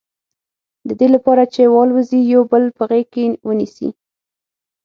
د دې لپاره چې والوزي یو بل په غېږ کې ونیسي.